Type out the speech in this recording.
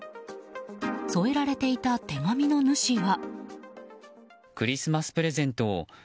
添えられていた手紙の主は。